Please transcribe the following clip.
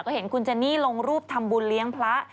ก็เห็นคุณเจนี่ลงรูปทำบุญเลี้ยงพระ